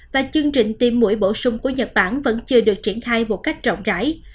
và chương trình tiêm mũi bổ sung của nhật bản vẫn chưa được triển khai một cách rộng rãi